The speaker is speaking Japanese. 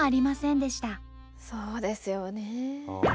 そうですよね。